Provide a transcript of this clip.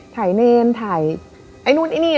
ถ่ายเนรถถ่ายไอ้นู้นอย่างนี้